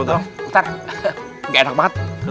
oh udah gak tahan